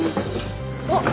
あっ。